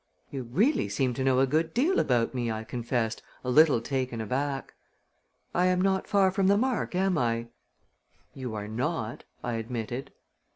"You really seem to know a good deal about me," I confessed, a little taken aback. "I am not far from the mark, am I?" "You are not," I admitted.